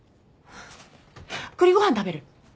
栗ご飯食べる？